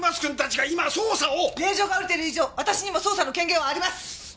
令状が下りている以上私にも捜査の権限はあります！